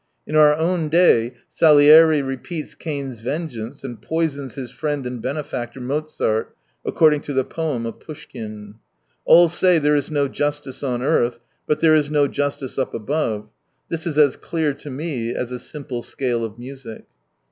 In our own day Sallieri repeats Cain's vengeance and poisons his friend and benefactor Mozzart, according to the poem of Poushkin. " All say, there is no justice on ^rth ; but there is no justice up above : this is as clear to me as a simple scale of music."